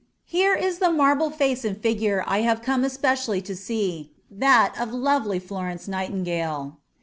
Here is the marble face and figure I have come especially to see, that of lovely Florence Nightingale.